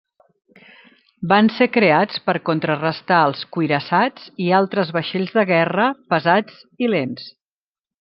Van ser creats per contrarestar els cuirassats i altres vaixells de guerra pesats i lents.